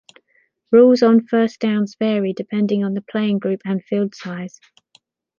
Rules on first downs vary depending on the playing group and field size.